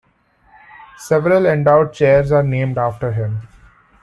Several endowed chairs are named after him.